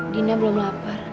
dina belum lapar